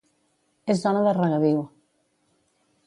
És zona de regadiu.